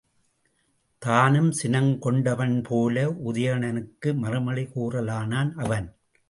தானும் சினங்கொண்டவன்போல உதயணனுக்கு மறுமொழி கூறலானான் அவன்.